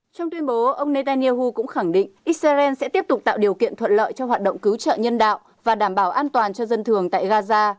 trong tuyên bố ông netanyahu cũng khẳng định israel sẽ tiếp tục tạo điều kiện thuận lợi cho hoạt động cứu trợ nhân đạo và đảm bảo an toàn cho dân thường tại gaza